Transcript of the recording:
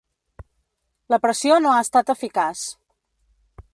La pressió no ha estat eficaç.